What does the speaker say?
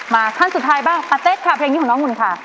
ขั้นสุดท้ายบ้างปาเต็ดค่ะเพลงนี้ของน้องหุ่นค่ะ